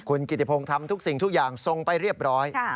คุณกิติพงศ์ทำทุกสิ่งทุกอย่างทรงไปเรียบร้อย